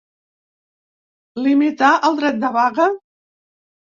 Limitar el dret de vaga?